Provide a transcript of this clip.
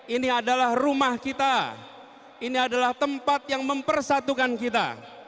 ini adalah rumah kita ini adalah tempat yang mempersatukan kita